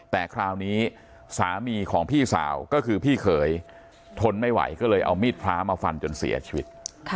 แต่คราวนี้สามีของพี่สาวก็คือพี่เขยทนไม่ไหวก็เลยเอามีดพระมาฟันจนเสียชีวิต